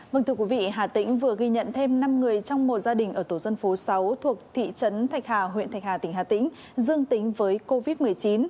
vâng thưa quý vị hà tĩnh vừa ghi nhận thêm năm người trong một gia đình ở tổ dân phố sáu thuộc thị trấn thạch hà huyện thạch hà tỉnh hà tĩnh dương tính với covid một mươi chín